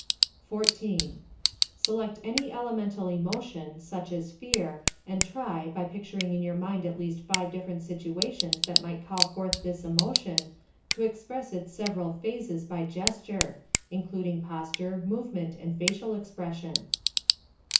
14. Select any elemental emotion, such as fear, and try, by picturing in your mind at least five different situations that might call forth this emotion, to express its several phases by gesture including posture, movement, and facial expression.